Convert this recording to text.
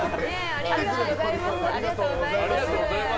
ありがとうございます。